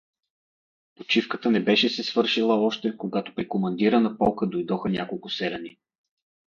Почивката не беше се свършила още, когато при командира на полка дойдоха няколко селяни.